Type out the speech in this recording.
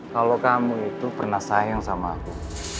kalau kamu itu pernah sayang sama aku